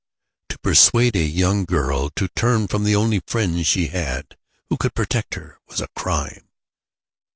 To persuade a young girl to turn from the only friends she had who could protect her, was a crime.